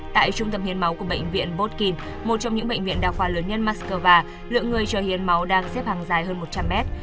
tại trung tâm hiến máu của bệnh viện botkin một trong những bệnh viện đặc hoà lớn nhân moskova lượng người cho hiến máu đang xếp hàng dài hơn một trăm linh mét